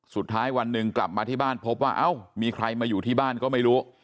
สุดท้ายวันหนึ่งกลับมาที่บ้านพบว่าเอ้ามีใครมาอยู่ที่บ้านก็ไม่รู้